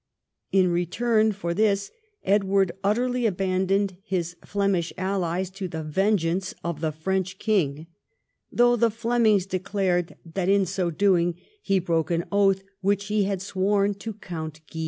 In return for this Edward tacitly abandoned his Flemish allies to the vengeance of the French king, though the Flemings declared that in so doing he broke an oath which he had sworn to Count Guy.